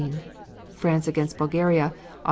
France against Bulgaria, Oct.